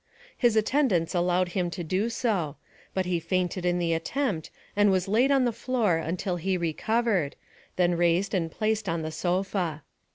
His attendants allowed him to do so, but he fainted in the attempt, and was laid on the floor until he recovered, then raised and placed on the sofa.